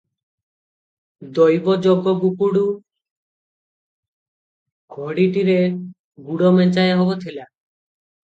ଦୈବ ଯୋଗକୁଗୁଡ଼ ଘଡ଼ିଟିରେ ଗୁଡ଼ ମେଞ୍ଚାଏହବ ଥିଲା ।